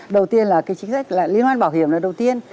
đầu tiên là cái chính sách liên quan bảo hiểm là đầu tiên